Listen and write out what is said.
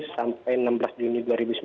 sampai enam belas juni dua ribu sembilan belas